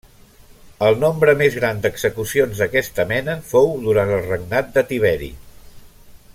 El nombre més gran d'execucions d'aquesta mena fou durant el regnat de Tiberi.